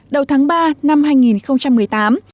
đầu tháng ba năm hai nghìn một mươi tám